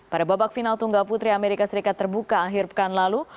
pada babak final tunggal putri amerika serikat terbuka akhir pekan lalu